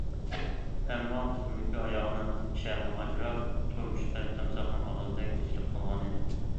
ئەمما، پۇتۇمدىكى ئاياغنىڭ چەمى ئاجراپ، تۇمشۇقى تىمساھنىڭ ئاغزىدەك ئېچىلىپ قالغانىدى.